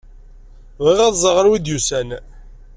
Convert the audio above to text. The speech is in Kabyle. Bɣiɣ ad ẓreɣ anwa i d-yusan.